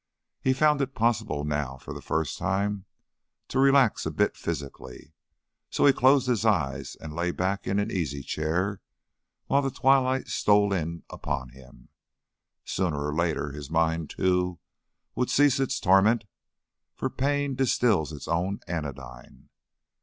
He found it possible now, for the first time, to relax a bit physically, so he closed his eyes and lay back in an easy chair while the twilight stole in upon him. Sooner or later his mind, too, would cease its torment, for pain distils its own anodyne.